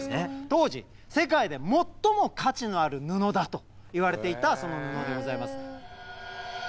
当時世界で最も価値のある布だといわれていたその布でございます。